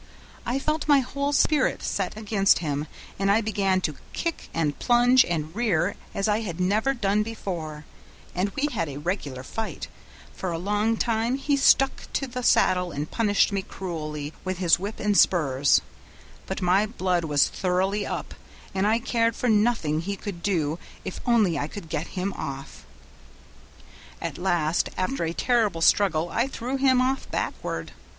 I felt my whole spirit set against him, and I began to kick, and plunge, and rear as I had never done before, and we had a regular fight; for a long time he stuck to the saddle and punished me cruelly with his whip and spurs, but my blood was thoroughly up, and I cared for nothing he could do if only I could get him off. At last after a terrible struggle I threw him off backward.